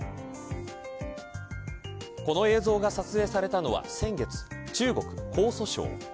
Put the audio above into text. この映像が撮影されたのは先月中国、江蘇省。